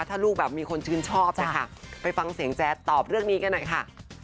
ถ้าลูกแบบมีคนชื่นชอบนะคะไปฟังเสียงแจ๊ดตอบเรื่องนี้กันหน่อยค่ะ